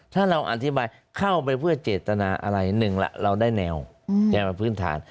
ถ้าเราอธิบายเข้าไปเพื่อเจตนาอะไรหนึ่งล่ะเราได้แนวแนวพื้นฐาน